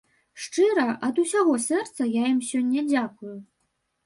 Шчыра, ад усяго сэрца я ім сёння дзякую.